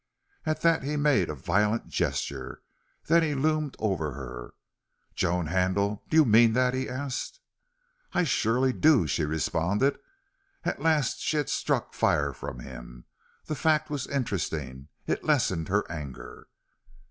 At that he made a violent gesture. Then he loomed over her. "Joan Handle, do you mean that?" he asked. "I surely do," she responded. At last she had struck fire from him. The fact was interesting. It lessened her anger.